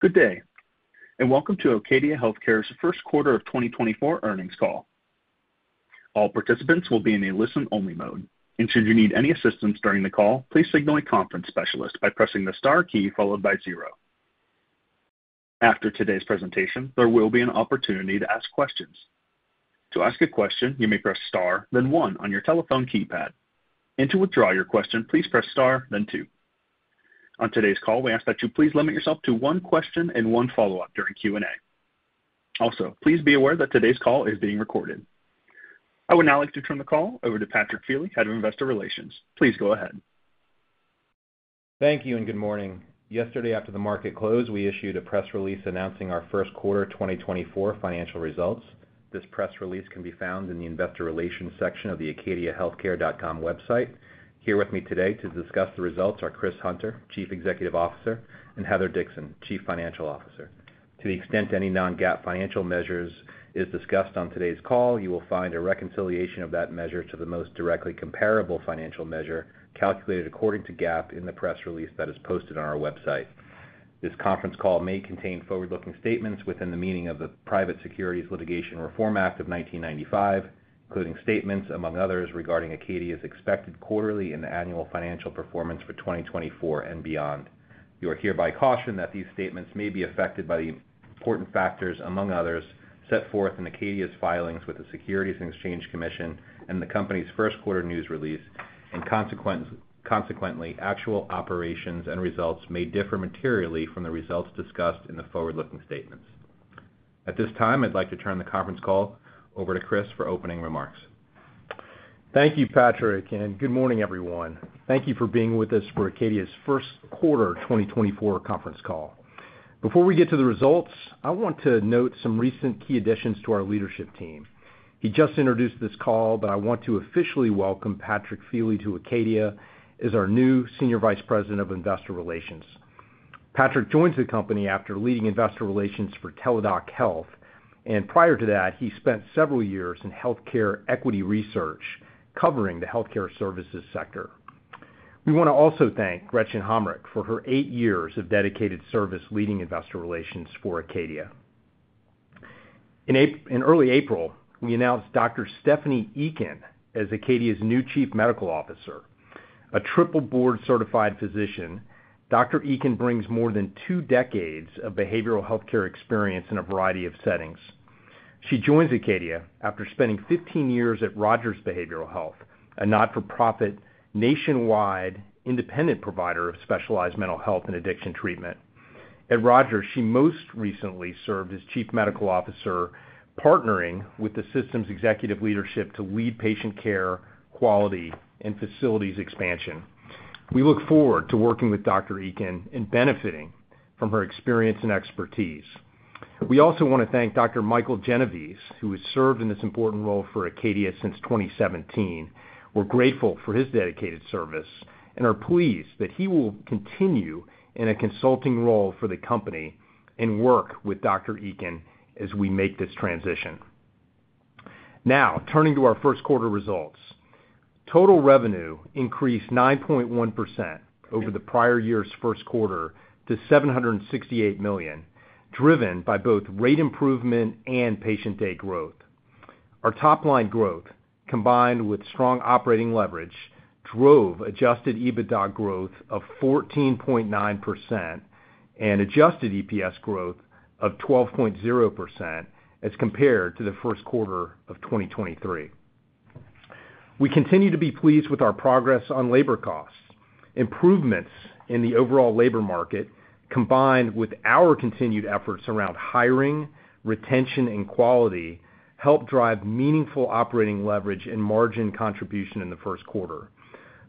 Good day, and welcome to Acadia Healthcare's First Quarter of 2024 Earnings Call. All participants will be in a listen-only mode, and should you need any assistance during the call, please signal a conference specialist by pressing the star key followed by zero. After today's presentation, there will be an opportunity to ask questions. To ask a question, you may press star, then one on your telephone keypad, and to withdraw your question, please press star, then two. On today's call, we ask that you please limit yourself to one question and one follow-up during Q&A. Also, please be aware that today's call is being recorded. I would now like to turn the call over to Patrick Feely, Head of Investor Relations. Please go ahead. Thank you and good morning. Yesterday, after the market closed, we issued a press release announcing our First Quarter 2024 Financial Results. This press release can be found in the Investor Relations section of the acadiahealthcare.com website. Here with me today to discuss the results are Chris Hunter, Chief Executive Officer, and Heather Dixon, Chief Financial Officer. To the extent any non-GAAP financial measures is discussed on today's call, you will find a reconciliation of that measure to the most directly comparable financial measure calculated according to GAAP in the press release that is posted on our website. This conference call may contain forward-looking statements within the meaning of the Private Securities Litigation Reform Act of 1995, including statements, among others, regarding Acadia's expected quarterly and annual financial performance for 2024 and beyond. You are hereby cautioned that these statements may be affected by the important factors, among others, set forth in Acadia's filings with the Securities and Exchange Commission and the company's first quarter news release, and consequently, actual operations and results may differ materially from the results discussed in the forward-looking statements. At this time, I'd like to turn the conference call over to Chris for opening remarks. Thank you, Patrick, and good morning, everyone. Thank you for being with us for Acadia's First Quarter 2024 Conference Call. Before we get to the results, I want to note some recent key additions to our leadership team. He just introduced this call, but I want to officially welcome Patrick Feeley to Acadia as our new Senior Vice President of Investor Relations. Patrick joins the company after leading Investor Relations for Teladoc Health, and prior to that, he spent several years in healthcare equity research, covering the healthcare services sector. We wanna also thank Gretchen Hommrich for her 8 years of dedicated service leading Investor Relations for Acadia. In early April, we announced Dr. Stephanie Eken as Acadia's new Chief Medical Officer. A triple board-certified physician, Dr. Eken brings more than two decades of behavioral healthcare experience in a variety of settings. She joins Acadia after spending 15 years at Rogers Behavioral Health, a not-for-profit, nationwide independent provider of specialized mental health and addiction treatment. At Rogers, she most recently served as Chief Medical Officer, partnering with the system's executive leadership to lead patient care, quality, and facilities expansion. We look forward to working with Dr. Eken and benefiting from her experience and expertise. We also wanna thank Dr. Michael Genovese, who has served in this important role for Acadia since 2017. We're grateful for his dedicated service and are pleased that he will continue in a consulting role for the company and work with Dr. Eken as we make this transition. Now, turning to our first quarter results. Total revenue increased 9.1% over the prior year's first quarter to $768 million, driven by both rate improvement and patient day growth. Our top-line growth, combined with strong operating leverage, drove adjusted EBITDA growth of 14.9% and adjusted EPS growth of 12.0% as compared to the first quarter of 2023. We continue to be pleased with our progress on labor costs. Improvements in the overall labor market, combined with our continued efforts around hiring, retention, and quality, helped drive meaningful operating leverage and margin contribution in the first quarter.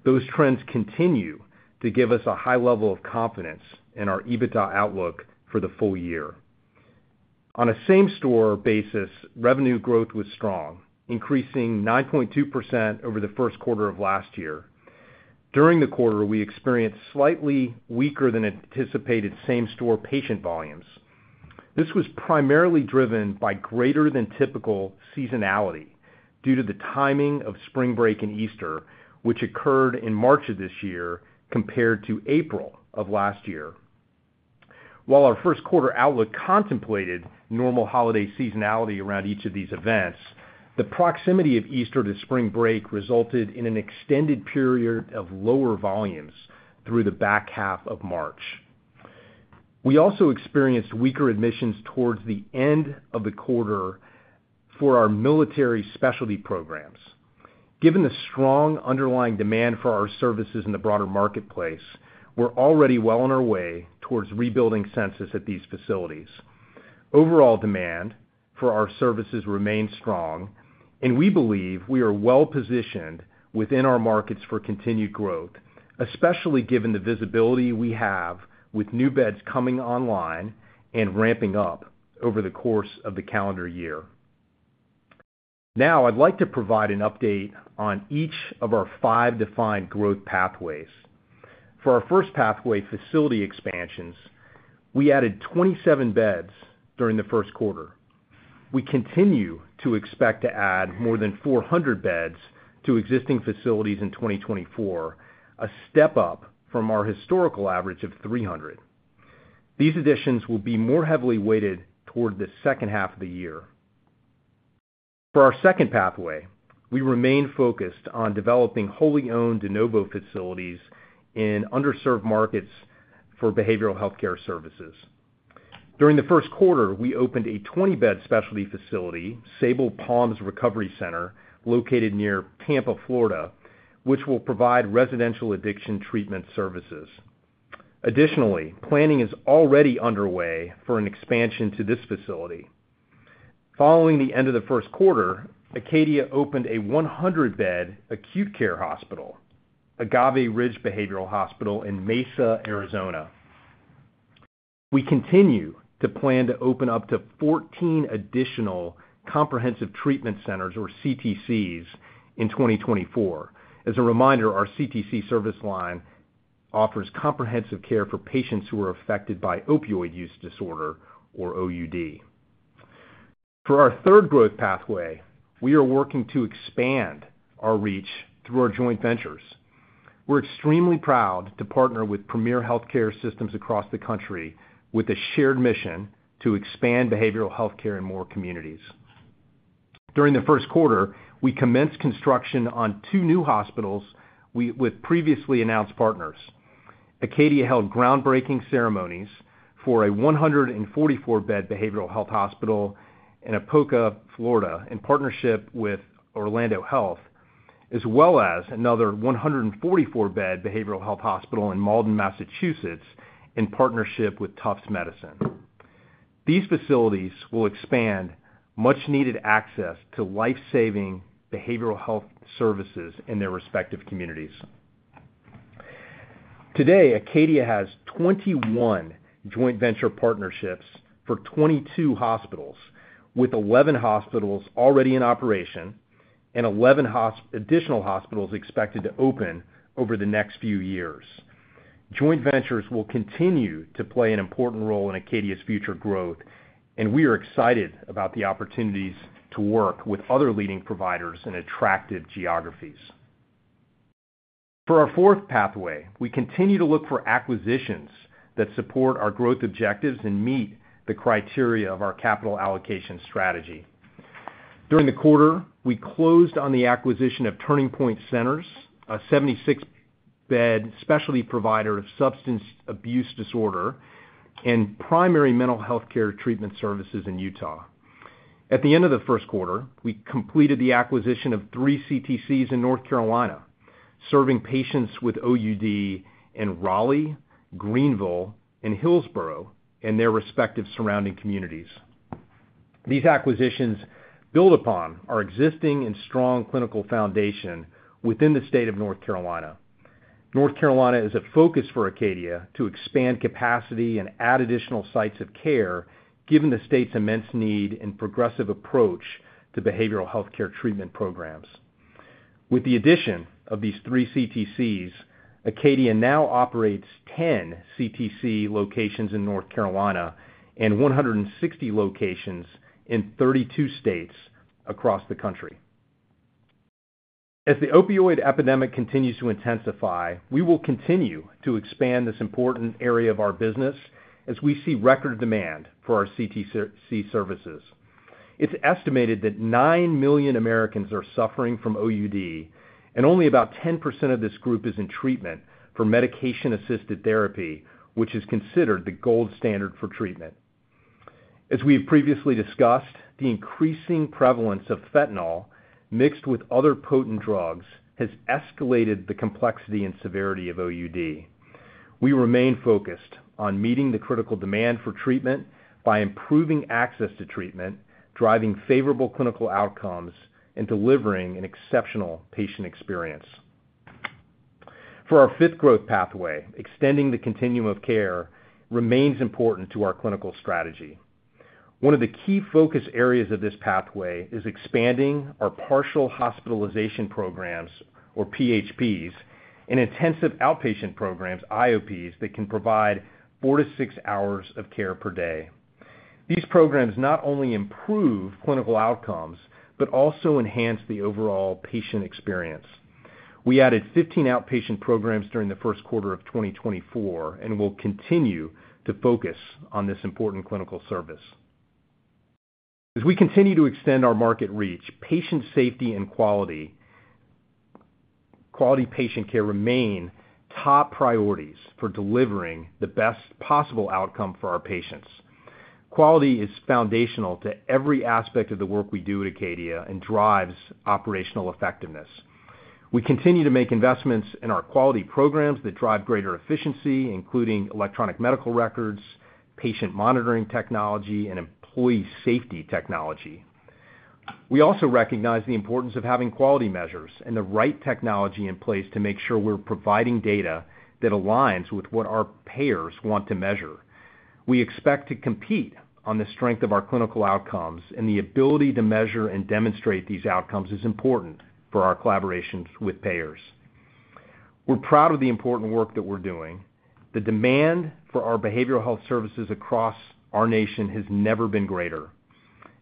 Those trends continue to give us a high level of confidence in our EBITDA outlook for the full year. On a same-store basis, revenue growth was strong, increasing 9.2% over the first quarter of last year. During the quarter, we experienced slightly weaker than anticipated same-store patient volumes. This was primarily driven by greater than typical seasonality due to the timing of spring break and Easter, which occurred in March of this year compared to April of last year. While our first quarter outlook contemplated normal holiday seasonality around each of these events, the proximity of Easter to spring break resulted in an extended period of lower volumes through the back half of March. We also experienced weaker admissions towards the end of the quarter for our military specialty programs. Given the strong underlying demand for our services in the broader marketplace, we're already well on our way towards rebuilding census at these facilities. Overall demand for our services remains strong, and we believe we are well-positioned within our markets for continued growth, especially given the visibility we have with new beds coming online and ramping up over the course of the calendar year. Now, I'd like to provide an update on each of our five defined growth pathways. For our first pathway, facility expansions, we added 27 beds during the first quarter. We continue to expect to add more than 400 beds to existing facilities in 2024, a step up from our historical average of 300. These additions will be more heavily weighted toward the second half of the year. For our second pathway, we remain focused on developing wholly owned de novo facilities in underserved markets for behavioral healthcare services. During the first quarter, we opened a 20-bed specialty facility, Sabal Palms Recovery Center, located near Tampa, Florida, which will provide residential addiction treatment services. Additionally, planning is already underway for an expansion to this facility. Following the end of the first quarter, Acadia opened a 100-bed acute care hospital, Agave Ridge Behavioral Hospital, in Mesa, Arizona. We continue to plan to open up to 14 additional comprehensive treatment centers, or CTCs, in 2024. As a reminder, our CTC service line offers comprehensive care for patients who are affected by opioid use disorder, or OUD. For our third growth pathway, we are working to expand our reach through our joint ventures. We're extremely proud to partner with premier healthcare systems across the country, with a shared mission to expand behavioral healthcare in more communities. During the first quarter, we commenced construction on 2 new hospitals with previously announced partners. Acadia held groundbreaking ceremonies for a 144-bed behavioral health hospital in Apopka, Florida, in partnership with Orlando Health, as well as another 144-bed behavioral health hospital in Malden, Massachusetts, in partnership with Tufts Medicine. These facilities will expand much-needed access to life-saving behavioral health services in their respective communities. Today, Acadia has 21 joint venture partnerships for 22 hospitals, with 11 hospitals already in operation and 11 additional hospitals expected to open over the next few years. Joint ventures will continue to play an important role in Acadia's future growth, and we are excited about the opportunities to work with other leading providers in attractive geographies. For our fourth pathway, we continue to look for acquisitions that support our growth objectives and meet the criteria of our capital allocation strategy. During the quarter, we closed on the acquisition of Turning Point Centers, a 76-bed specialty provider of substance abuse disorder and primary mental healthcare treatment services in Utah. At the end of the first quarter, we completed the acquisition of three CTCs in North Carolina, serving patients with OUD in Raleigh, Greenville, and Hillsborough, and their respective surrounding communities. These acquisitions build upon our existing and strong clinical foundation within the state of North Carolina. North Carolina is a focus for Acadia to expand capacity and add additional sites of care, given the state's immense need and progressive approach to behavioral healthcare treatment programs. With the addition of these 3 CTCs, Acadia now operates 10 CTC locations in North Carolina and 160 locations in 32 states across the country. As the opioid epidemic continues to intensify, we will continue to expand this important area of our business as we see record demand for our CTC services. It's estimated that 9 million Americans are suffering from OUD, and only about 10% of this group is in treatment for medication-assisted therapy, which is considered the gold standard for treatment. As we've previously discussed, the increasing prevalence of fentanyl, mixed with other potent drugs, has escalated the complexity and severity of OUD. We remain focused on meeting the critical demand for treatment by improving access to treatment, driving favorable clinical outcomes, and delivering an exceptional patient experience. For our fifth growth pathway, extending the continuum of care remains important to our clinical strategy. One of the key focus areas of this pathway is expanding our partial hospitalization programs, or PHPs, and intensive outpatient programs, IOPs, that can provide 4-6 hours of care per day. These programs not only improve clinical outcomes, but also enhance the overall patient experience. We added 15 outpatient programs during the first quarter of 2024, and will continue to focus on this important clinical service. As we continue to extend our market reach, patient safety and quality, quality patient care remain top priorities for delivering the best possible outcome for our patients. Quality is foundational to every aspect of the work we do at Acadia and drives operational effectiveness. We continue to make investments in our quality programs that drive greater efficiency, including electronic medical records, patient monitoring technology, and employee safety technology. We also recognize the importance of having quality measures and the right technology in place to make sure we're providing data that aligns with what our payers want to measure. We expect to compete on the strength of our clinical outcomes, and the ability to measure and demonstrate these outcomes is important for our collaborations with payers. We're proud of the important work that we're doing. The demand for our behavioral health services across our nation has never been greater.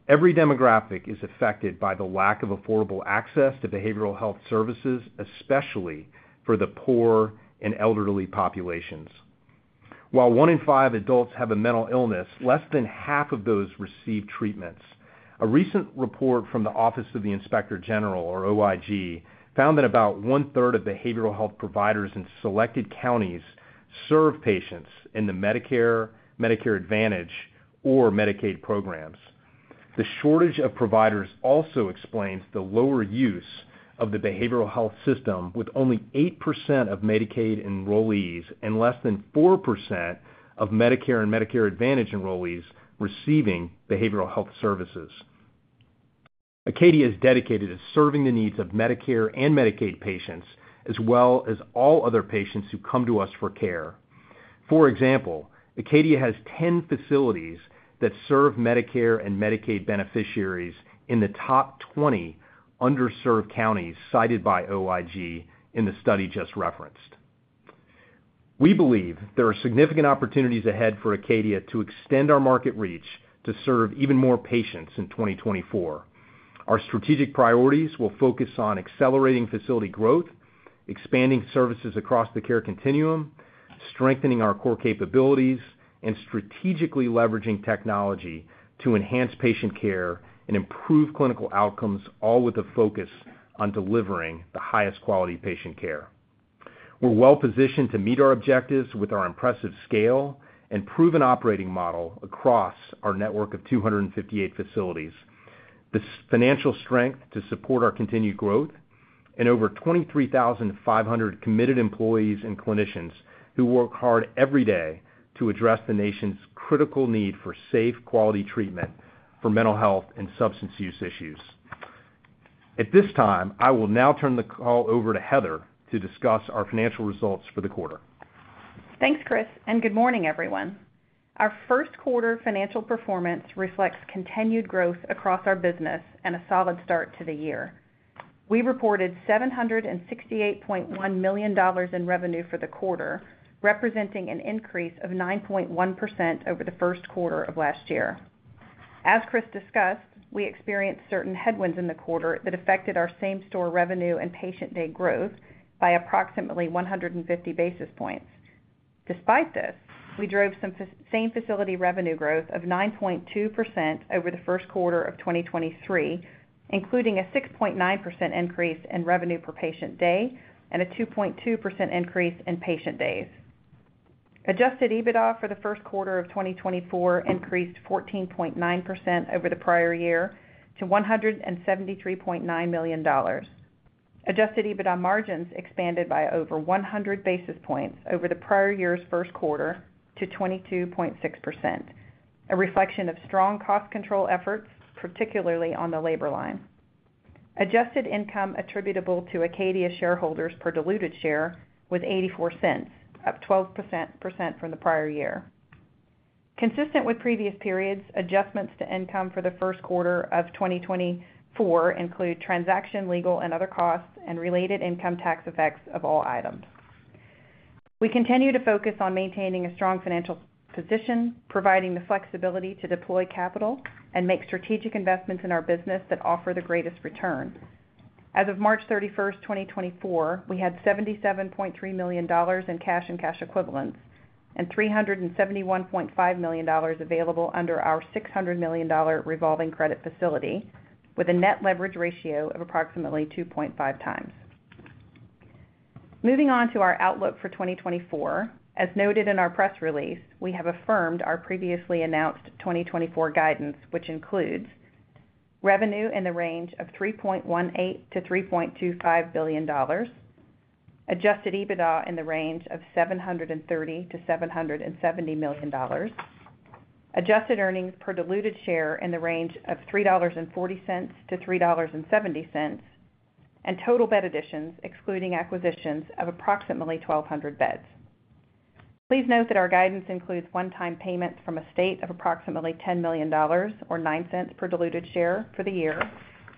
Every demographic is affected by the lack of affordable access to behavioral health services, especially for the poor and elderly populations. While 1 in 5 adults have a mental illness, less than half of those receive treatments. A recent report from the Office of the Inspector General, or OIG, found that about 1/3 of behavioral health providers in selected counties serve patients in the Medicare, Medicare Advantage, or Medicaid programs. The shortage of providers also explains the lower use of the behavioral health system, with only 8% of Medicaid enrollees and less than 4% of Medicare and Medicare Advantage enrollees receiving behavioral health services. Acadia is dedicated to serving the needs of Medicare and Medicaid patients, as well as all other patients who come to us for care. For example, Acadia has 10 facilities that serve Medicare and Medicaid beneficiaries in the top 20 underserved counties cited by OIG in the study just referenced. We believe there are significant opportunities ahead for Acadia to extend our market reach to serve even more patients in 2024. Our strategic priorities will focus on accelerating facility growth, expanding services across the care continuum, strengthening our core capabilities, and strategically leveraging technology to enhance patient care and improve clinical outcomes, all with a focus on delivering the highest quality patient care. We're well-positioned to meet our objectives with our impressive scale and proven operating model across our network of 258 facilities, the financial strength to support our continued growth, and over 23,500 committed employees and clinicians who work hard every day to address the nation's critical need for safe, quality treatment for mental health and substance use issues. At this time, I will now turn the call over to Heather to discuss our financial results for the quarter. Thanks, Chris, and good morning, everyone. Our first quarter financial performance reflects continued growth across our business and a solid start to the year. We reported $768.1 million in revenue for the quarter, representing an increase of 9.1% over the first quarter of last year. As Chris discussed, we experienced certain headwinds in the quarter that affected our same-store revenue and patient day growth by approximately 150 basis points. Despite this, we drove same facility revenue growth of 9.2% over the first quarter of 2023, including a 6.9% increase in revenue per patient day and a 2.2% increase in patient days. Adjusted EBITDA for the first quarter of 2024 increased 14.9% over the prior year to $173.9 million. Adjusted EBITDA margins expanded by over 100 basis points over the prior year's first quarter to 22.6%, a reflection of strong cost control efforts, particularly on the labor line. Adjusted income attributable to Acadia shareholders per diluted share was $0.84, up 12% from the prior year. Consistent with previous periods, adjustments to income for the first quarter of 2024 include transaction, legal, and other costs and related income tax effects of all items. We continue to focus on maintaining a strong financial position, providing the flexibility to deploy capital and make strategic investments in our business that offer the greatest return. As of March 31, 2024, we had $77.3 million in cash and cash equivalents and $371.5 million available under our $600 million revolving credit facility, with a net leverage ratio of approximately 2.5x. Moving on to our outlook for 2024, as noted in our press release, we have affirmed our previously announced 2024 guidance, which includes: revenue in the range of $3.18 billion-$3.25 billion, adjusted EBITDA in the range of $730 million-$770 million, adjusted earnings per diluted share in the range of $3.40-$3.70, and total bed additions, excluding acquisitions, of approximately 1,200 beds. Please note that our guidance includes one-time payments from a state of approximately $10 million, or $0.09 per diluted share for the year,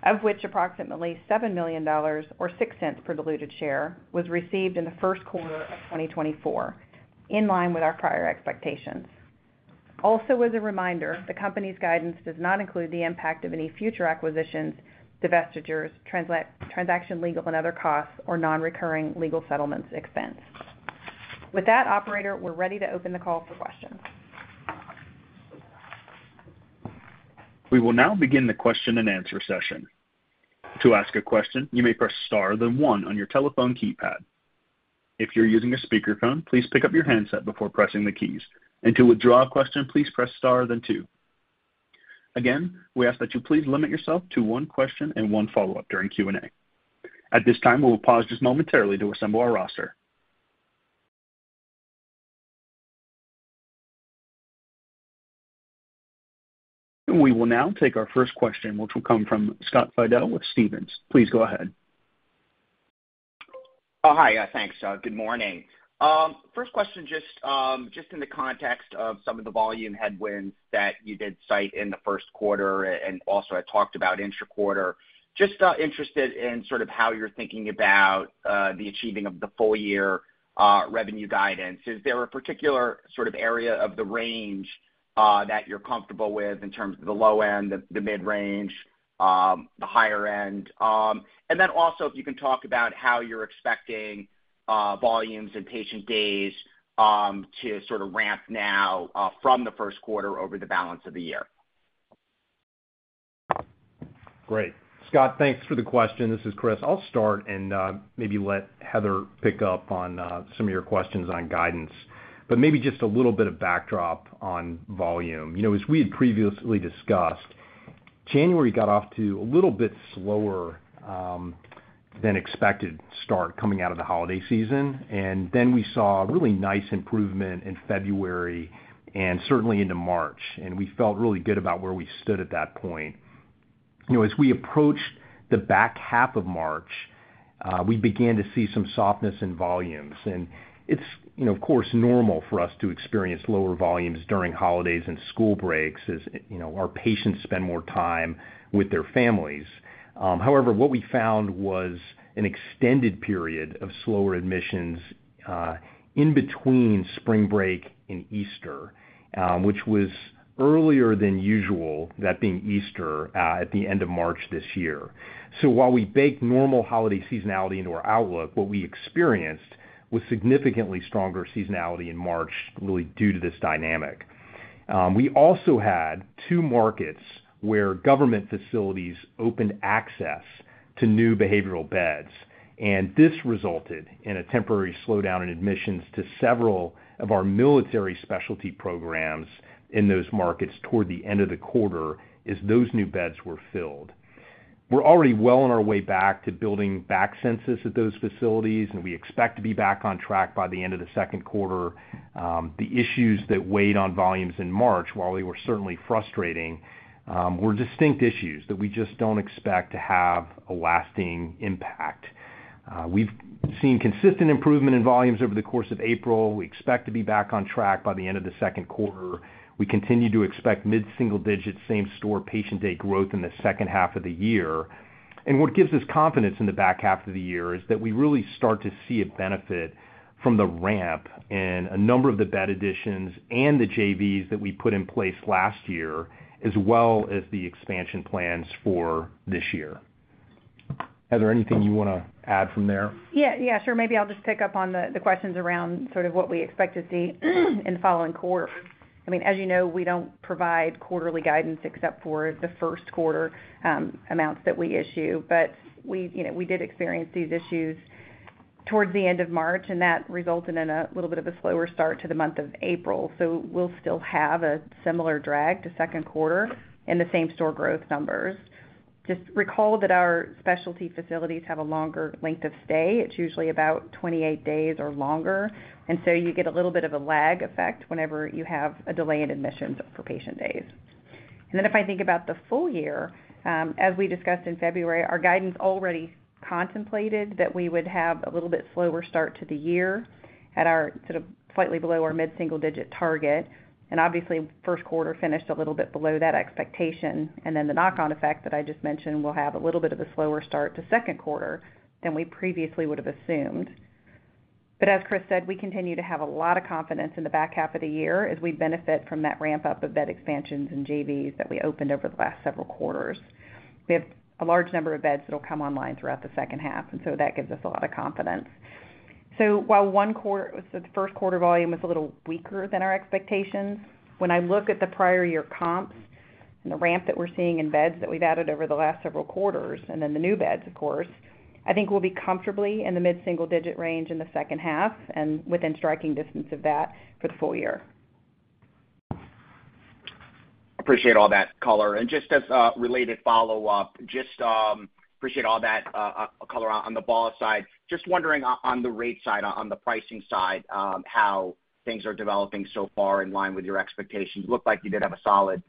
of which approximately $7 million, or $0.06 per diluted share, was received in the first quarter of 2024, in line with our prior expectations. Also, as a reminder, the company's guidance does not include the impact of any future acquisitions, divestitures, transaction, legal, and other costs, or non-recurring legal settlements expense. With that, operator, we're ready to open the call for questions. We will now begin the question-and-answer session. To ask a question, you may press *, then 1 on your telephone keypad. If you're using a speakerphone, please pick up your handset before pressing the keys. To withdraw a question, please press *, then 2. Again, we ask that you please limit yourself to one question and one follow-up during Q&A. At this time, we will pause just momentarily to assemble our roster. We will now take our first question, which will come from Scott Fidel with Stephens. Please go ahead. Oh, hi. Thanks, good morning. First question, just, just in the context of some of the volume headwinds that you did cite in the first quarter and also had talked about intraquarter. Just, interested in sort of how you're thinking about, the achieving of the full year, revenue guidance. Is there a particular sort of area of the range, that you're comfortable with in terms of the low end, the, the mid-range, the higher end? And then also, if you can talk about how you're expecting, volumes and patient days, to sort of ramp now, from the first quarter over the balance of the year. Great. Scott, thanks for the question. This is Chris. I'll start and, maybe let Heather pick up on, some of your questions on guidance, but maybe just a little bit of backdrop on volume. You know, as we had previously discussed, January got off to a little bit slower, than expected start coming out of the holiday season. And then we saw a really nice improvement in February and certainly into March, and we felt really good about where we stood at that point. You know, as we approached the back half of March, we began to see some softness in volumes. And it's, you know, of course, normal for us to experience lower volumes during holidays and school breaks as, you know, our patients spend more time with their families. However, what we found was an extended period of slower admissions in between spring break and Easter, which was earlier than usual, that being Easter, at the end of March this year. So while we baked normal holiday seasonality into our outlook, what we experienced was significantly stronger seasonality in March, really due to this dynamic. We also had two markets where government facilities opened access to new behavioral beds, and this resulted in a temporary slowdown in admissions to several of our military specialty programs in those markets toward the end of the quarter as those new beds were filled. We're already well on our way back to building back census at those facilities, and we expect to be back on track by the end of the second quarter. The issues that weighed on volumes in March, while they were certainly frustrating, were distinct issues that we just don't expect to have a lasting impact. We've seen consistent improvement in volumes over the course of April. We expect to be back on track by the end of the second quarter. We continue to expect mid-single digit same-store patient day growth in the second half of the year. And what gives us confidence in the back half of the year is that we really start to see a benefit from the ramp and a number of the bed additions and the JVs that we put in place last year, as well as the expansion plans for this year. Heather, anything you want to add from there? Yeah, yeah, sure. Maybe I'll just pick up on the questions around sort of what we expect to see in the following quarter. I mean, as you know, we don't provide quarterly guidance except for the first quarter amounts that we issue, but we, you know, we did experience these issues towards the end of March, and that resulted in a little bit of a slower start to the month of April. So we'll still have a similar drag to second quarter in the same-store growth numbers. Just recall that our specialty facilities have a longer length of stay. It's usually about 28 days or longer, and so you get a little bit of a lag effect whenever you have a delay in admissions for patient days. Then if I think about the full year, as we discussed in February, our guidance already contemplated that we would have a little bit slower start to the year at our sort of slightly below our mid-single digit target. And obviously, first quarter finished a little bit below that expectation. And then the knock-on effect that I just mentioned will have a little bit of a slower start to second quarter than we previously would have assumed. But as Chris said, we continue to have a lot of confidence in the back half of the year as we benefit from that ramp up of bed expansions and JVs that we opened over the last several quarters. We have a large number of beds that'll come online throughout the second half, and so that gives us a lot of confidence. So while the first quarter volume was a little weaker than our expectations, when I look at the prior year comps and the ramp that we're seeing in beds that we've added over the last several quarters, and then the new beds, of course, I think we'll be comfortably in the mid-single digit range in the second half and within striking distance of that for the full year. Appreciate all that color. And just as a related follow-up, just, appreciate all that color on, on the ball side. Just wondering on, on the rate side, on, on the pricing side, how things are developing so far in line with your expectations. Looked like you did have a solid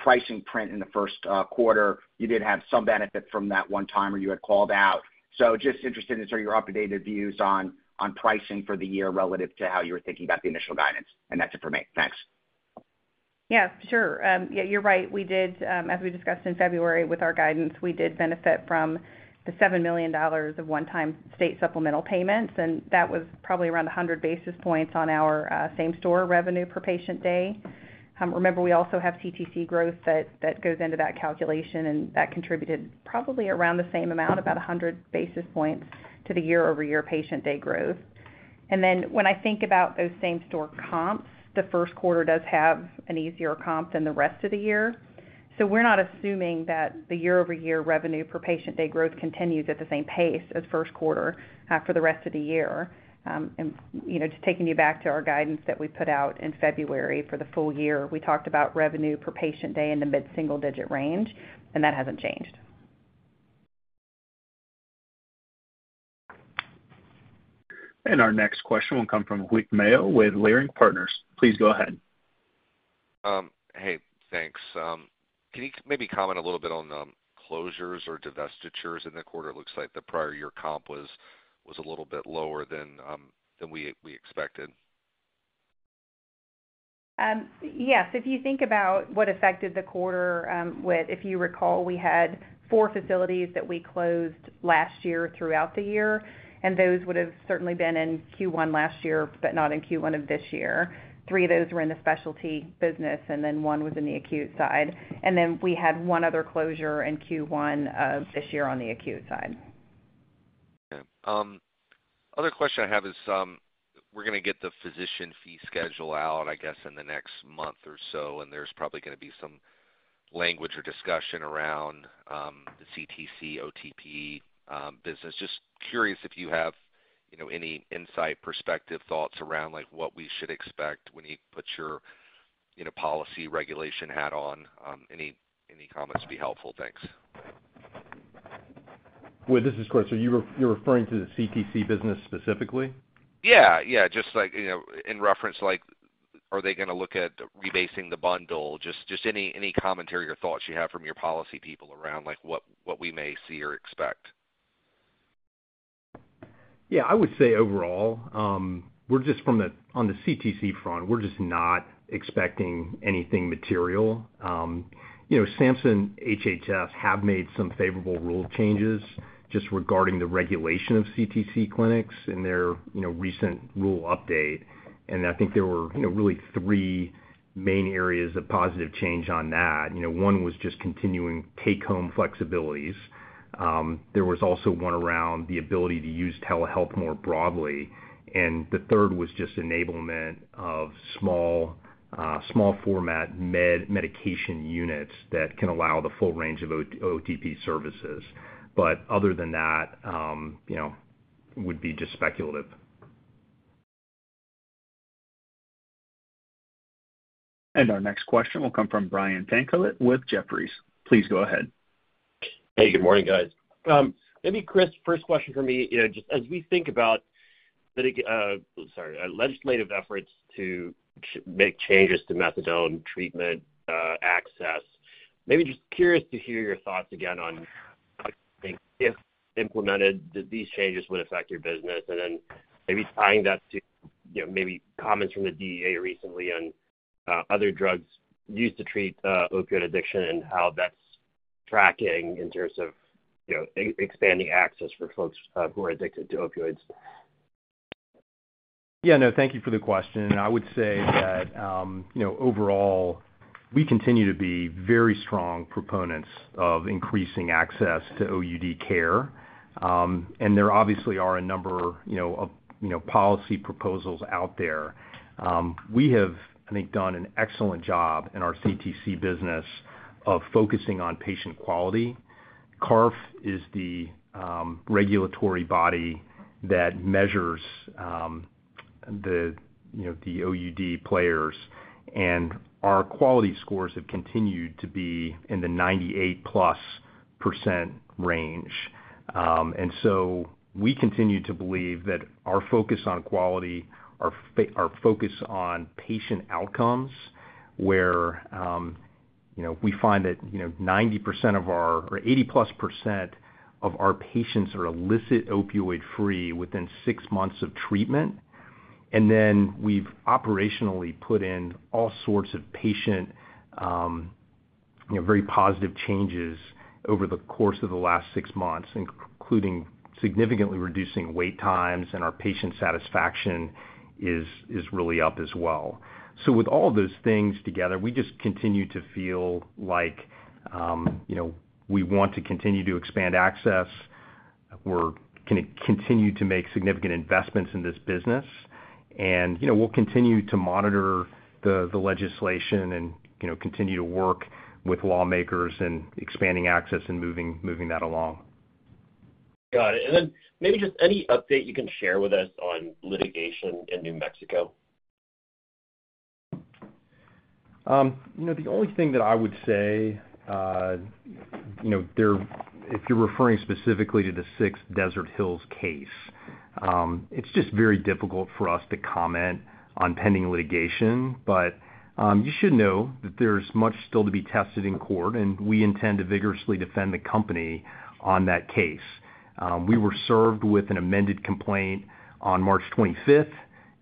pricing print in the first quarter. You did have some benefit from that one-timer you had called out. So just interested in sort of your updated views on, on pricing for the year relative to how you were thinking about the initial guidance. And that's it for me. Thanks. Yeah, sure. Yeah, you're right. We did, as we discussed in February with our guidance, we did benefit from the $7 million of one-time state supplemental payments, and that was probably around 100 basis points on our, same-store revenue per patient day. Remember, we also have CTC growth that, that goes into that calculation, and that contributed probably around the same amount, about 100 basis points to the year-over-year patient day growth. And then when I think about those same-store comps, the first quarter does have an easier comp than the rest of the year. So we're not assuming that the year-over-year revenue per patient day growth continues at the same pace as first quarter, for the rest of the year. You know, just taking you back to our guidance that we put out in February for the full year, we talked about revenue per patient day in the mid-single digit range, and that hasn't changed. Our next question will come from Whit Mayo with Leerink Partners. Please go ahead. Hey, thanks. Can you maybe comment a little bit on closures or divestitures in the quarter? It looks like the prior year comp was a little bit lower than we expected. Yes, if you think about what affected the quarter, with, if you recall, we had four facilities that we closed last year throughout the year, and those would have certainly been in Q1 last year, but not in Q1 of this year. Three of those were in the specialty business, and then one was in the acute side. Then we had one other closure in Q1 of this year on the acute side. Okay. Other question I have is, we're going to get the physician fee schedule out, I guess, in the next month or so, and there's probably going to be some language or discussion around the CTC, OTP business. Just curious if you have, you know, any insight, perspective, thoughts around, like, what we should expect when you put your, you know, policy regulation hat on, any comments would be helpful. Thanks. Well, this is Chris. So you're referring to the CTC business specifically? Yeah, yeah. Just like, you know, in reference, like, are they going to look at rebasing the bundle? Just, just any, any commentary or thoughts you have from your policy people around, like, what, what we may see or expect. Yeah, I would say overall, we're just on the CTC front not expecting anything material. You know, SAMHSA and HHS have made some favorable rule changes just regarding the regulation of CTC clinics in their, you know, recent rule update. And I think there were, you know, really three main areas of positive change on that. You know, one was just continuing take-home flexibilities. There was also one around the ability to use telehealth more broadly, and the third was just enablement of small format medication units that can allow the full range of OTP services. But other than that, you know, would be just speculative. Our next question will come from Brian Tanquilut with Jefferies. Please go ahead. Hey, good morning, guys. Maybe Chris, first question for me, you know, just as we think about the, sorry, legislative efforts to make changes to methadone treatment access, maybe just curious to hear your thoughts again on, I think, if implemented, that these changes would affect your business. And then maybe tying that to, you know, maybe comments from the DEA recently on other drugs used to treat opioid addiction and how that's tracking in terms of, you know, expanding access for folks who are addicted to opioids. Yeah, no, thank you for the question. I would say that, you know, overall, we continue to be very strong proponents of increasing access to OUD care, and there obviously are a number, you know, of, you know, policy proposals out there. We have, I think, done an excellent job in our CTC business of focusing on patient quality. CARF is the regulatory body that measures the, you know, the OUD players, and our quality scores have continued to be in the 98%+ range. And so we continue to believe that our focus on quality, our focus on patient outcomes, where, you know, we find that, you know, 90% of our or 80%+ of our patients are illicit opioid free within six months of treatment. We've operationally put in all sorts of patient, you know, very positive changes over the course of the last six months, including significantly reducing wait times, and our patient satisfaction is really up as well. So with all those things together, we just continue to feel like, you know, we want to continue to expand access. We're gonna continue to make significant investments in this business. You know, we'll continue to monitor the legislation and, you know, continue to work with lawmakers in expanding access and moving that along. Got it. And then maybe just any update you can share with us on litigation in New Mexico? You know, the only thing that I would say, you know, if you're referring specifically to the Six Desert Hills case, it's just very difficult for us to comment on pending litigation, but you should know that there's much still to be tested in court, and we intend to vigorously defend the company on that case. We were served with an amended complaint on March 25th,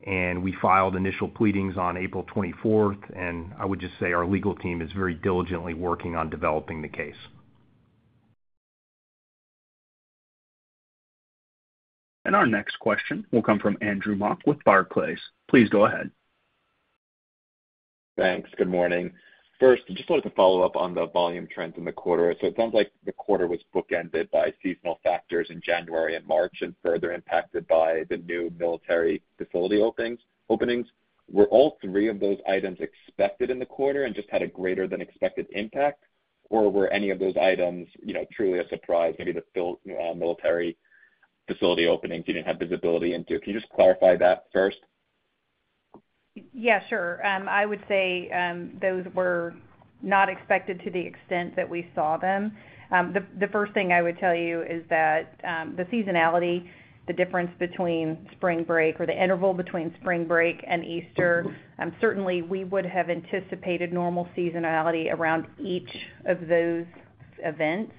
and we filed initial pleadings on April 24th, and I would just say our legal team is very diligently working on developing the case. Our next question will come from Andrew Mok with Barclays. Please go ahead. Thanks. Good morning. First, just wanted to follow up on the volume trends in the quarter. So it sounds like the quarter was bookended by seasonal factors in January and March, and further impacted by the new military facility openings. Were all three of those items expected in the quarter and just had a greater than expected impact? Or were any of those items, you know, truly a surprise, maybe the military facility openings you didn't have visibility into? Can you just clarify that first? Yeah, sure. I would say those were not expected to the extent that we saw them. The first thing I would tell you is that the seasonality, the difference between spring break or the interval between spring break and Easter, certainly we would have anticipated normal seasonality around each of those events.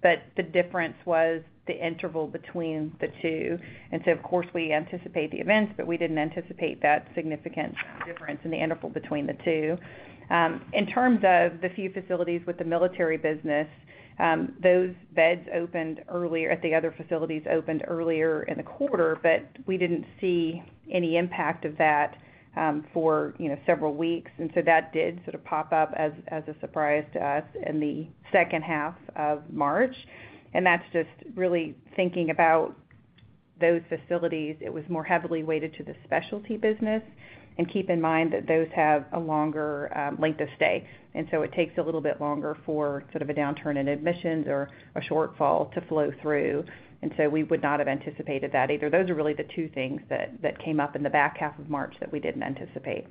But the difference was the interval between the two. And so, of course, we anticipate the events, but we didn't anticipate that significant difference in the interval between the two. In terms of the few facilities with the military business, those beds opened earlier, at the other facilities, opened earlier in the quarter, but we didn't see any impact of that, for, you know, several weeks, and so that did sort of pop up as a surprise to us in the second half of March. And that's just really thinking about those facilities. It was more heavily weighted to the specialty business. And keep in mind that those have a longer length of stay, and so it takes a little bit longer for sort of a downturn in admissions or a shortfall to flow through, and so we would not have anticipated that either. Those are really the two things that came up in the back half of March that we didn't anticipate.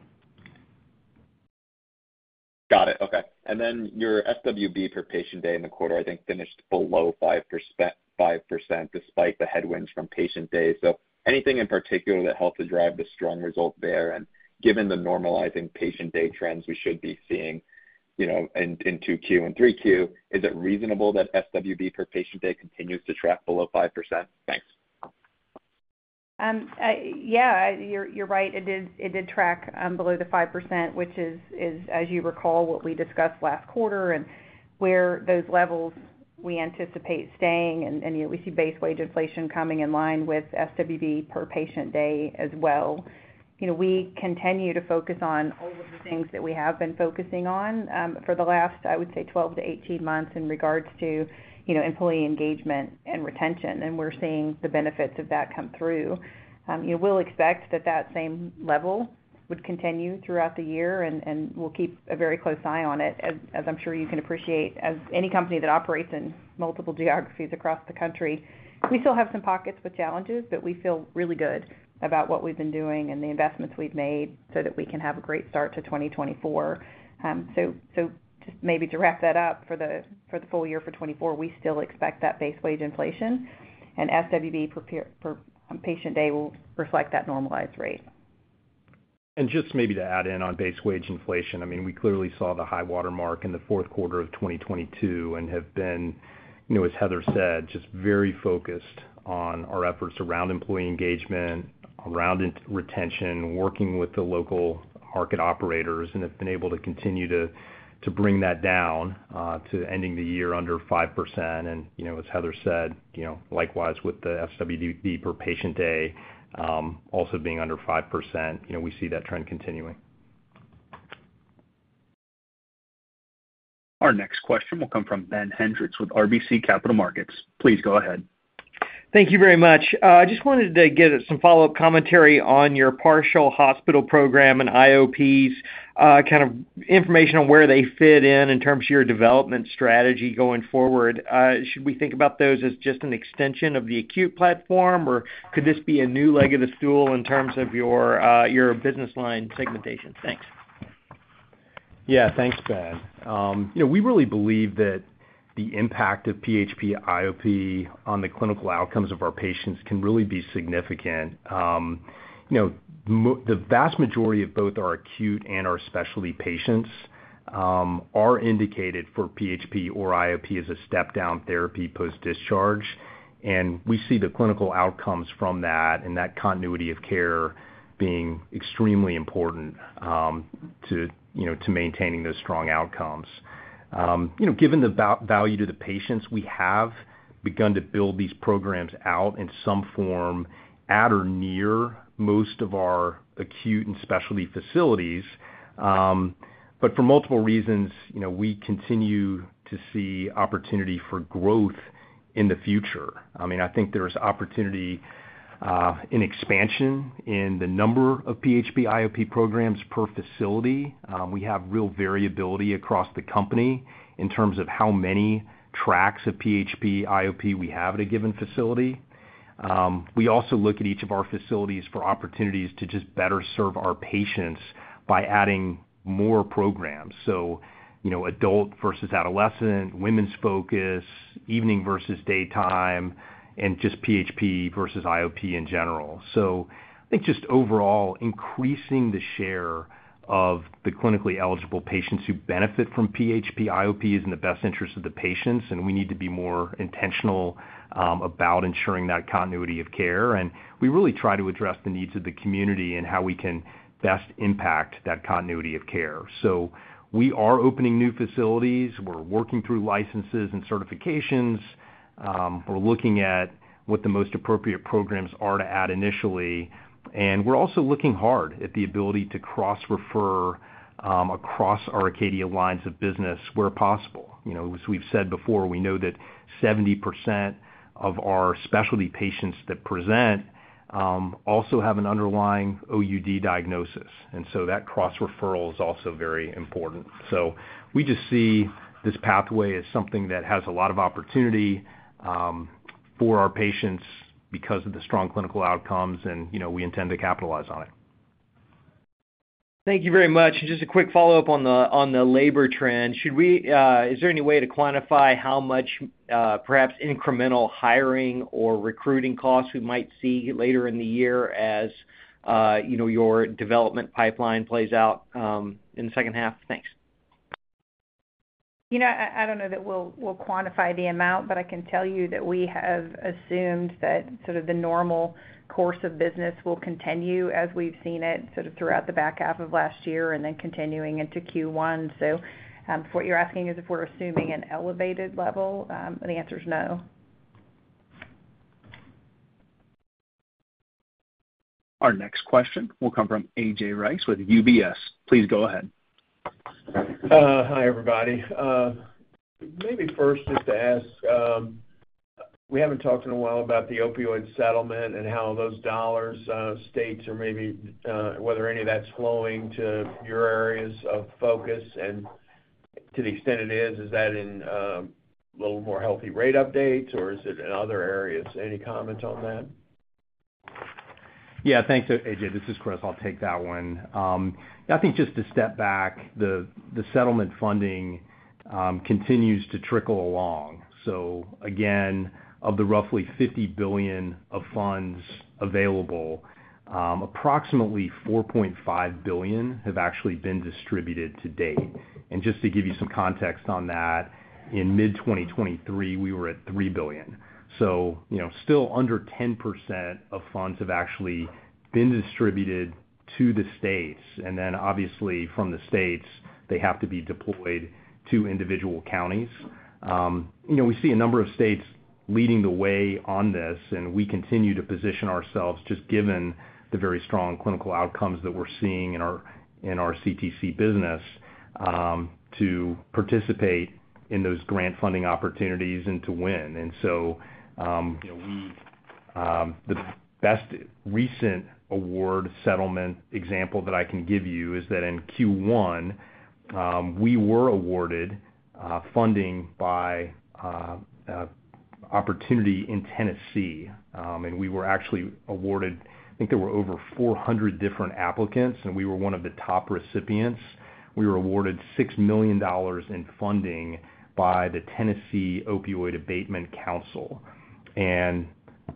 Got it. Okay. And then your SWB per patient day in the quarter, I think, finished below 5%, 5%, despite the headwinds from patient days. So anything in particular that helped to drive the strong result there? And given the normalizing patient day trends we should be seeing, you know, in 2Q and 3Q, is it reasonable that SWB per patient day continues to track below 5%? Thanks. Yeah, you're right. It did track below the 5%, which is, as you recall, what we discussed last quarter and where those levels we anticipate staying, and, you know, we see base wage inflation coming in line with SWB per patient day as well. You know, we continue to focus on all of the things that we have been focusing on for the last, I would say, 12-18 months in regards to, you know, employee engagement and retention, and we're seeing the benefits of that come through. You know, we'll expect that same level would continue throughout the year, and we'll keep a very close eye on it. As I'm sure you can appreciate, as any company that operates in multiple geographies across the country, we still have some pockets with challenges, but we feel really good about what we've been doing and the investments we've made so that we can have a great start to 2024. So just maybe to wrap that up, for the full year for 2024, we still expect that base wage inflation and SWB per patient day will reflect that normalized rate. Just maybe to add in on base wage inflation, I mean, we clearly saw the high water mark in the fourth quarter of 2022 and have been, you know, as Heather said, just very focused on our efforts around employee engagement, around retention, working with the local market operators, and have been able to continue to bring that down to ending the year under 5%. You know, as Heather said, you know, likewise, with the SWB per patient day, also being under 5%, you know, we see that trend continuing. Our next question will come from Ben Hendrix with RBC Capital Markets. Please go ahead. Thank you very much. Just wanted to get some follow-up commentary on your Partial Hospitalization Program and IOPs, kind of information on where they fit in, in terms of your development strategy going forward. Should we think about those as just an extension of the acute platform, or could this be a new leg of the stool in terms of your, your business line segmentation? Thanks. Yeah, thanks, Ben. You know, we really believe that the impact of PHP, IOP on the clinical outcomes of our patients can really be significant. You know, the vast majority of both our acute and our specialty patients are indicated for PHP or IOP as a step-down therapy post-discharge, and we see the clinical outcomes from that and that continuity of care being extremely important to maintaining those strong outcomes. You know, given the value to the patients, we have begun to build these programs out in some form at or near most of our acute and specialty facilities. But for multiple reasons, you know, we continue to see opportunity for growth in the future. I mean, I think there's opportunity in expansion in the number of PHP, IOP programs per facility. We have real variability across the company in terms of how many tracks of PHP, IOP we have at a given facility. We also look at each of our facilities for opportunities to just better serve our patients by adding more programs. So, you know, adult versus adolescent, women's focus, evening versus daytime, and just PHP versus IOP in general. So I think just overall, increasing the share of the clinically eligible patients who benefit from PHP, IOP is in the best interest of the patients, and we need to be more intentional about ensuring that continuity of care. And we really try to address the needs of the community and how we can best impact that continuity of care. So we are opening new facilities. We're working through licenses and certifications. We're looking at what the most appropriate programs are to add initially, and we're also looking hard at the ability to cross-refer across our Acadia lines of business where possible. You know, as we've said before, we know that 70% of our specialty patients that present also have an underlying OUD diagnosis, and so that cross-referral is also very important. So we just see this pathway as something that has a lot of opportunity for our patients because of the strong clinical outcomes, and, you know, we intend to capitalize on it. Thank you very much. Just a quick follow-up on the labor trend. Is there any way to quantify how much perhaps incremental hiring or recruiting costs we might see later in the year as you know your development pipeline plays out in the second half? Thanks. You know, I don't know that we'll quantify the amount, but I can tell you that we have assumed that sort of the normal course of business will continue as we've seen it sort of throughout the back half of last year and then continuing into Q1. So, if what you're asking is if we're assuming an elevated level, then the answer is no. Our next question will come from A.J. Rice with UBS. Please go ahead. Hi, everybody. Maybe first, just to ask, we haven't talked in a while about the opioid settlement and how those dollars states or maybe whether any of that's flowing to your areas of focus. And to the extent it is, is that in a little more healthy rate updates, or is it in other areas? Any comments on that? Yeah. Thanks, A.J. This is Chris. I'll take that one. I think just to step back, the settlement funding continues to trickle along. So again, of the roughly $50 billion of funds available, approximately $4.5 billion have actually been distributed to date. And just to give you some context on that, in mid-2023, we were at $3 billion. So, you know, still under 10% of funds have actually been distributed to the states, and then obviously from the states, they have to be deployed to individual counties. You know, we see a number of states leading the way on this, and we continue to position ourselves, just given the very strong clinical outcomes that we're seeing in our CTC business, to participate in those grant funding opportunities and to win. And so, you know, the best recent award settlement example that I can give you is that in Q1, we were awarded funding by opportunity in Tennessee. And we were actually awarded—I think there were over 400 different applicants, and we were one of the top recipients. We were awarded $6 million in funding by the Tennessee Opioid Abatement Council. And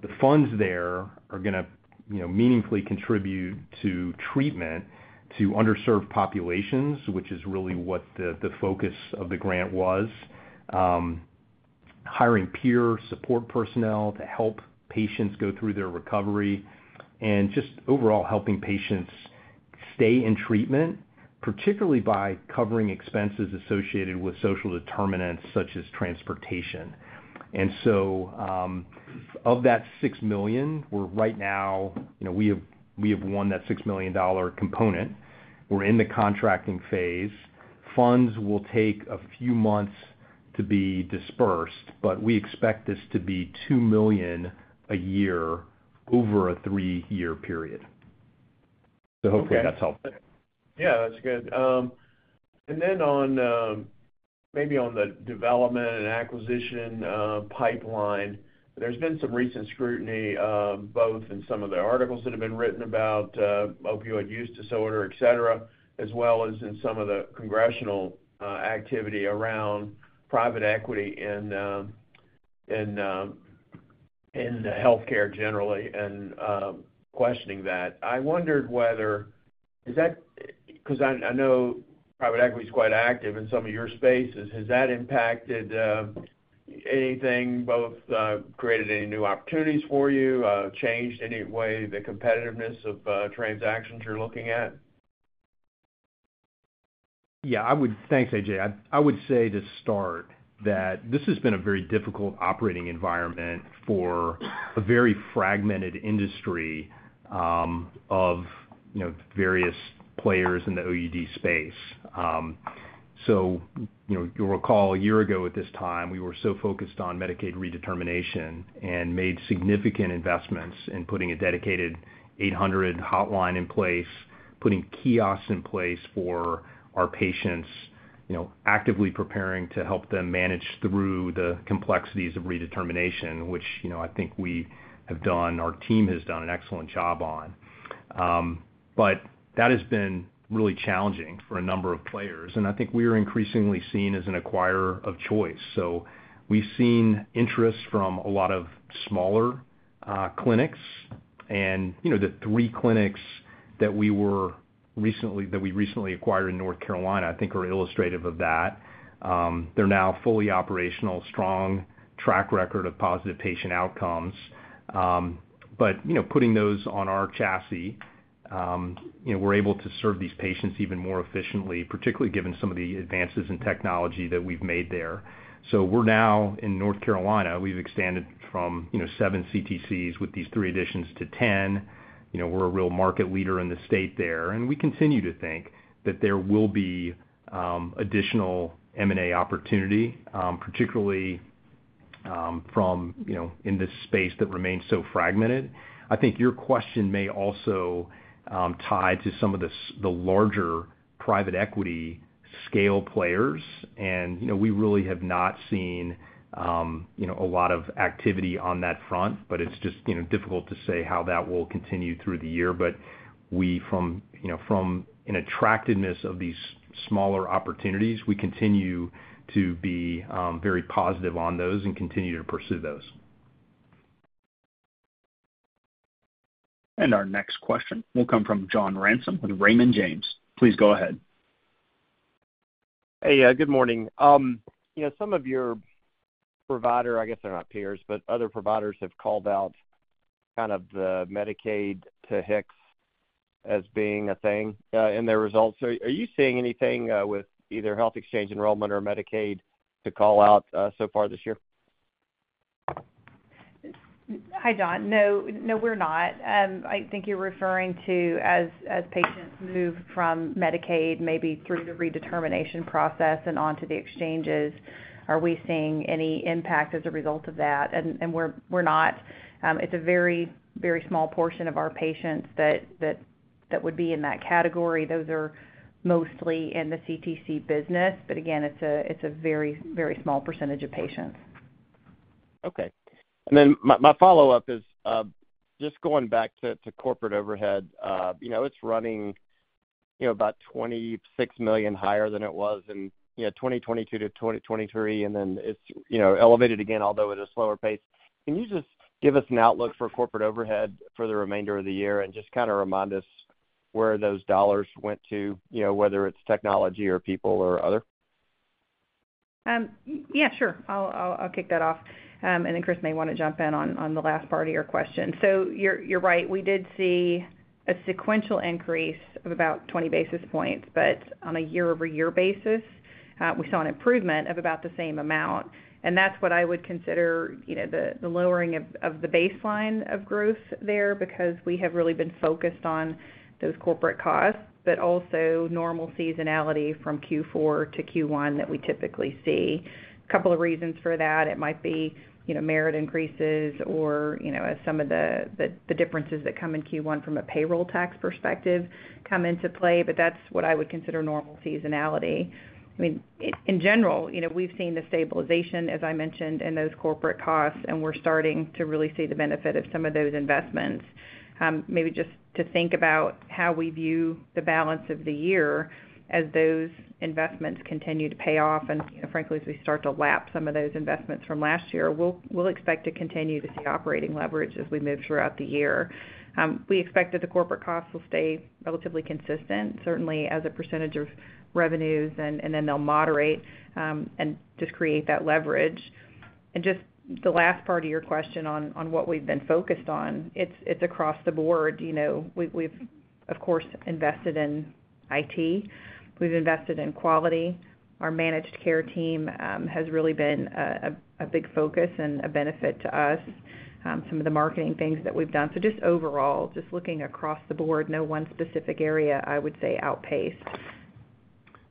the funds there are gonna, you know, meaningfully contribute to treatment to underserved populations, which is really what the focus of the grant was. Hiring peer support personnel to help patients go through their recovery and just overall helping patients stay in treatment, particularly by covering expenses associated with social determinants, such as transportation. And so, of that $6 million, we're right now—you know, we have won that $6 million component. We're in the contracting phase. Funds will take a few months to be disbursed, but we expect this to be $2 million a year over a 3-year period. Okay. Hopefully that's helpful. Yeah, that's good. And then on, maybe on the development and acquisition pipeline, there's been some recent scrutiny, both in some of the articles that have been written about opioid use disorder, et cetera, as well as in some of the congressional activity around private equity and healthcare generally, and questioning that. I wondered whether. Is that, because I know private equity is quite active in some of your spaces, has that impacted anything, both created any new opportunities for you, changed any way the competitiveness of transactions you're looking at? Yeah, I would. Thanks, A.J. I, I would say to start that this has been a very difficult operating environment for a very fragmented industry of, you know, various players in the OUD space. So, you know, you'll recall a year ago at this time, we were so focused on Medicaid redetermination and made significant investments in putting a dedicated 800 hotline in place, putting kiosks in place for our patients, you know, actively preparing to help them manage through the complexities of redetermination, which, you know, I think we have done. Our team has done an excellent job on. But that has been really challenging for a number of players, and I think we are increasingly seen as an acquirer of choice. So we've seen interest from a lot of smaller clinics. You know, the three clinics that we recently acquired in North Carolina, I think are illustrative of that. They're now fully operational, strong track record of positive patient outcomes. But, you know, putting those on our chassis, you know, we're able to serve these patients even more efficiently, particularly given some of the advances in technology that we've made there. So we're now in North Carolina. We've expanded from, you know, seven CTCs with these three additions to 10. You know, we're a real market leader in the state there, and we continue to think that there will be additional M&A opportunity, particularly from, you know, in this space that remains so fragmented. I think your question may also tie to some of the larger private equity scale players. You know, we really have not seen, you know, a lot of activity on that front, but it's just, you know, difficult to say how that will continue through the year. But we from, you know, from an attractiveness of these smaller opportunities, we continue to be, very positive on those and continue to pursue those. Our next question will come from John Ransom with Raymond James. Please go ahead. Hey, good morning. You know, some of your provider, I guess they're not peers, but other providers have called out kind of the Medicaid redeterminations as being a thing in their results. So are you seeing anything with either health exchange enrollment or Medicaid redeterminations to call out so far this year? Hi, John. No, no, we're not. I think you're referring to, as patients move from Medicaid, maybe through the redetermination process and onto the exchanges, are we seeing any impact as a result of that? And we're not. It's a very, very small portion of our patients that would be in that category. Those are mostly in the CTC business, but again, it's a very, very small percentage of patients. Okay. Then my follow-up is just going back to corporate overhead. You know, it's running, you know, about $26 million higher than it was in, you know, 2022 to 2023, and then it's, you know, elevated again, although at a slower pace. Can you just give us an outlook for corporate overhead for the remainder of the year and just kinda remind us where those dollars went to, you know, whether it's technology or people or other? Yeah, sure. I'll kick that off, and then Chris may wanna jump in on the last part of your question. So you're right, we did see a sequential increase of about 20 basis points, but on a year-over-year basis, we saw an improvement of about the same amount. And that's what I would consider, you know, the lowering of the baseline of growth there, because we have really been focused on those corporate costs, but also normal seasonality from Q4 to Q1 that we typically see. A couple of reasons for that, it might be, you know, merit increases or, you know, as some of the differences that come in Q1 from a payroll tax perspective come into play, but that's what I would consider normal seasonality. I mean, in general, you know, we've seen the stabilization, as I mentioned, in those corporate costs, and we're starting to really see the benefit of some of those investments. Maybe just to think about how we view the balance of the year as those investments continue to pay off, and frankly, as we start to lap some of those investments from last year, we'll expect to continue to see operating leverage as we move throughout the year. We expect that the corporate costs will stay relatively consistent, certainly as a percentage of revenues, and then they'll moderate, and just create that leverage. And just the last part of your question on what we've been focused on, it's across the board. You know, we've, of course, invested in IT. We've invested in quality. Our managed care team has really been a big focus and a benefit to us, some of the marketing things that we've done. So just overall, just looking across the board, no one specific area, I would say, outpaced.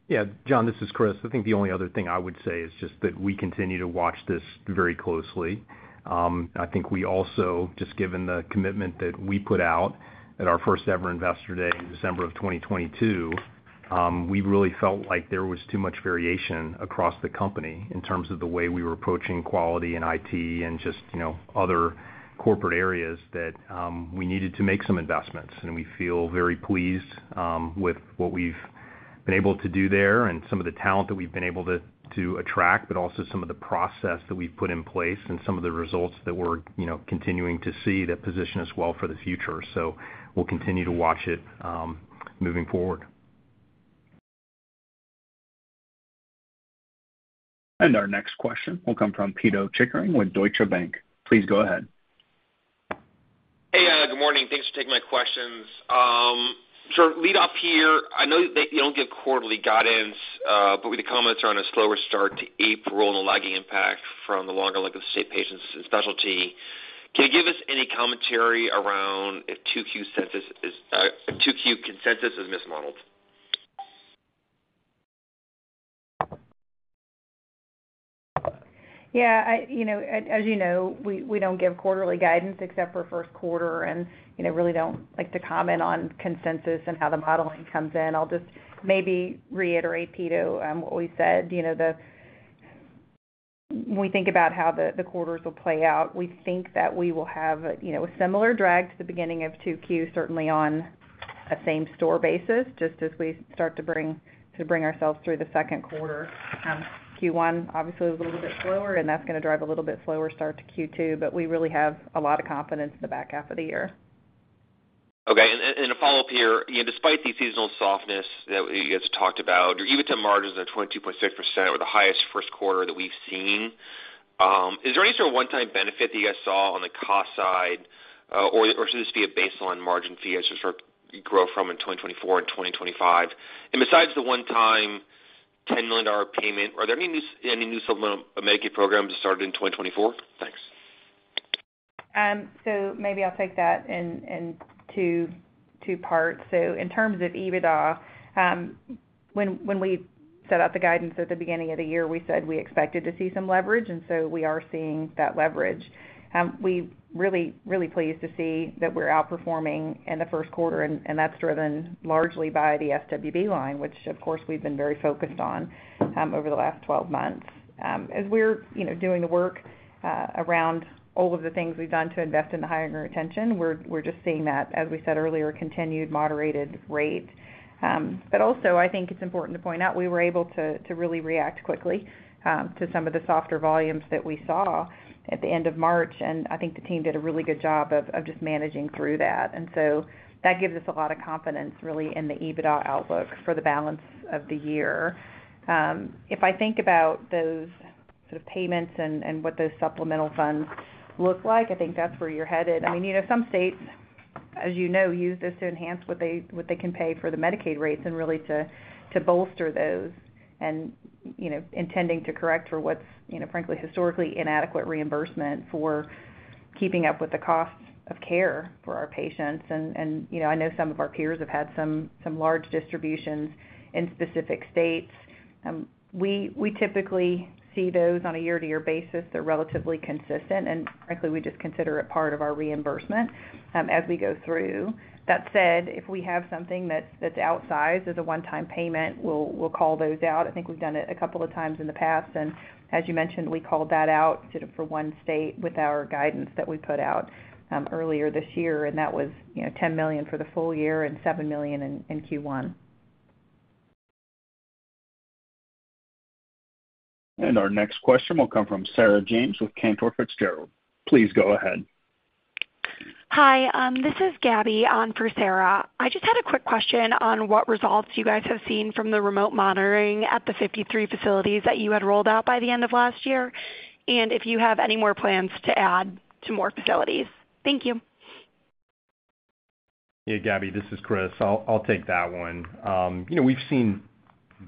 Yeah, John, this is Chris. I think the only other thing I would say is just that we continue to watch this very closely. I think we also, just given the commitment that we put out at our first ever Investor Day in December of 2022, we really felt like there was too much variation across the company in terms of the way we were approaching quality and IT and just, you know, other corporate areas that we needed to make some investments. And we feel very pleased with what we've been able to do there and some of the talent that we've been able to attract, but also some of the process that we've put in place and some of the results that we're, you know, continuing to see that position us well for the future. So we'll continue to watch it, moving forward. Our next question will come from Pito Chickering with Deutsche Bank. Please go ahead. Hey, good morning. Thanks for taking my questions. So lead off here, I know that you don't give quarterly guidance, but with the comments on a slower start to April and the lagging impact from the longer length of stay patients and specialty, can you give us any commentary around if 2Q consensus is mismodeled? Yeah, you know, as you know, we don't give quarterly guidance except for first quarter, and, you know, really don't like to comment on consensus and how the modeling comes in. I'll just maybe reiterate, Pito, what we said. You know, when we think about how the quarters will play out, we think that we will have, you know, a similar drag to the beginning of 2Q, certainly on a same store basis, just as we start to bring ourselves through the second quarter. Q1 obviously was a little bit slower, and that's gonna drive a little bit slower start to Q2, but we really have a lot of confidence in the back half of the year. Okay. And a follow-up here. You know, despite the seasonal softness that you guys talked about, your EBITDA margins are 22.6% or the highest first quarter that we've seen. Is there any sort of one-time benefit that you guys saw on the cost side, or should this be a baseline margin view as you start grow from in 2024 and 2025? And besides the one-time $10 million payment, are there any new supplemental Medicaid programs that started in 2024? Thanks. So maybe I'll take that in two parts. So in terms of EBITDA, when we set out the guidance at the beginning of the year, we said we expected to see some leverage, and so we are seeing that leverage. We really, really pleased to see that we're outperforming in the first quarter, and that's driven largely by the SWB line, which, of course, we've been very focused on, over the last twelve months. As we're, you know, doing the work, around all of the things we've done to invest in the higher retention, we're just seeing that, as we said earlier, continued moderated rate. But also, I think it's important to point out, we were able to really react quickly, to some of the softer volumes that we saw. At the end of March, and I think the team did a really good job of just managing through that. And so that gives us a lot of confidence, really, in the EBITDA outlook for the balance of the year. If I think about those sort of payments and what those supplemental funds look like, I think that's where you're headed. I mean, you know, some states, as you know, use this to enhance what they can pay for the Medicaid rates and really to bolster those and, you know, intending to correct for what's, you know, frankly, historically inadequate reimbursement for keeping up with the costs of care for our patients. And you know, I know some of our peers have had some large distributions in specific states. We typically see those on a year-to-year basis. They're relatively consistent, and frankly, we just consider it part of our reimbursement as we go through. That said, if we have something that's outsized as a one-time payment, we'll call those out. I think we've done it a couple of times in the past, and as you mentioned, we called that out sort of for one state with our guidance that we put out earlier this year, and that was, you know, $10 million for the full year and $7 million in Q1. Our next question will come from Sarah James with Cantor Fitzgerald. Please go ahead. Hi, this is Gabby on for Sarah. I just had a quick question on what results you guys have seen from the remote monitoring at the 53 facilities that you had rolled out by the end of last year, and if you have any more plans to add to more facilities. Thank you. Yeah, Gabby, this is Chris. I'll take that one. You know, we've seen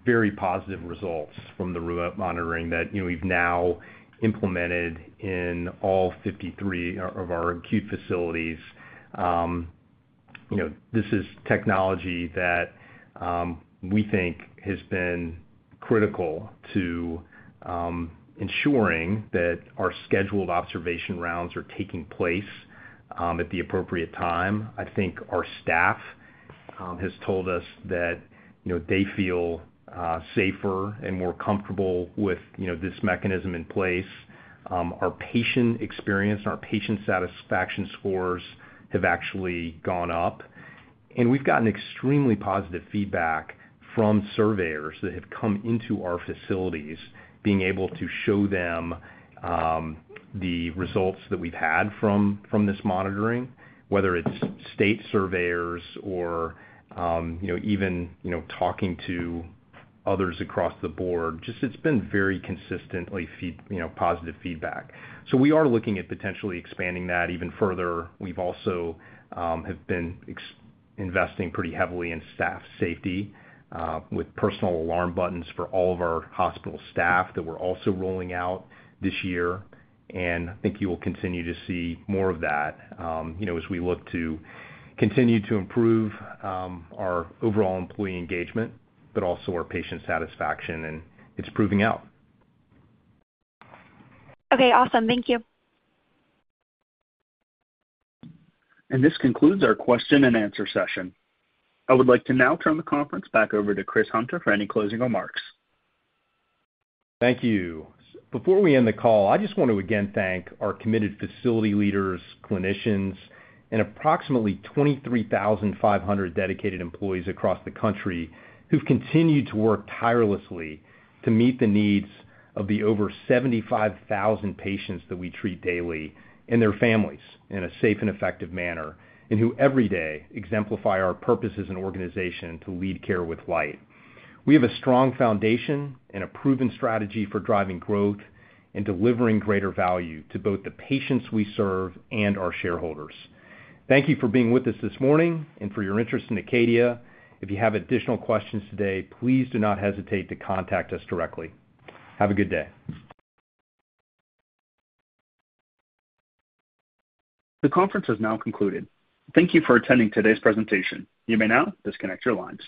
very positive results from the remote monitoring that, you know, we've now implemented in all 53 of our acute facilities. You know, this is technology that we think has been critical to ensuring that our scheduled observation rounds are taking place at the appropriate time. I think our staff has told us that, you know, they feel safer and more comfortable with, you know, this mechanism in place. Our patient experience and our patient satisfaction scores have actually gone up, and we've gotten extremely positive feedback from surveyors that have come into our facilities, being able to show them the results that we've had from this monitoring, whether it's state surveyors or, you know, even, you know, talking to others across the board, just it's been very consistent feedback, you know, positive feedback. So we are looking at potentially expanding that even further. We've also have been investing pretty heavily in staff safety with personal alarm buttons for all of our hospital staff that we're also rolling out this year. And I think you will continue to see more of that, you know, as we look to continue to improve our overall employee engagement, but also our patient satisfaction, and it's proving out. Okay, awesome. Thank you. This concludes our question-and-answer session. I would like to now turn the conference back over to Chris Hunter for any closing remarks. Thank you. Before we end the call, I just want to again thank our committed facility leaders, clinicians, and approximately 23,500 dedicated employees across the country who've continued to work tirelessly to meet the needs of the over 75,000 patients that we treat daily and their families in a safe and effective manner, and who every day exemplify our purpose as an organization to Lead Care with Light. We have a strong foundation and a proven strategy for driving growth and delivering greater value to both the patients we serve and our shareholders. Thank you for being with us this morning and for your interest in Acadia. If you have additional questions today, please do not hesitate to contact us directly. Have a good day. The conference has now concluded. Thank you for attending today's presentation. You may now disconnect your lines.